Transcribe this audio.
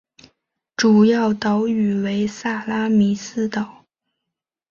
主要岛屿为萨拉米斯岛。